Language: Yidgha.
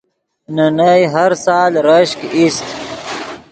نے نئے ہر سال رشک ایست